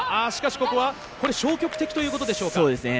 これは消極的ということでしょうか。